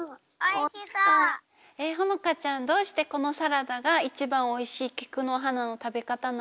ほのかちゃんどうしてこのサラダがいちばんおいしいきくのはなのたべかたなの？